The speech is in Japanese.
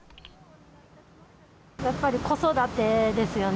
やっぱり子育てですよね